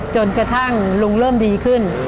จนกระทั่งลุงเริ่มดีขึ้น